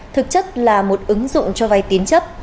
thực chất là một ứng dụng cho vay tín chấp